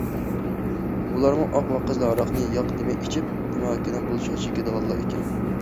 ئۇلارمۇ ئاق ۋە قىزىل ھاراقنى ياق دېمەي ئىچىپ، تاماكىنىمۇ بولۇشىغا چېكىدىغانلار ئىكەن.